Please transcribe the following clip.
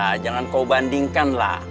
ya jangan kau bandingkanlah